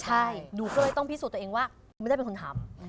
ใช่หนูก็เลยต้องพิสูจน์ตัวเองว่าไม่ได้เป็นคนทำ